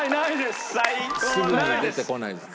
すぐに出てこないです。